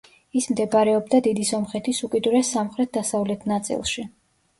ის მდებარეობდა დიდი სომხეთის უკიდურეს სამხრეთ-დასავლეთ ნაწილში.